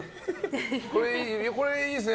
これ、いいですね。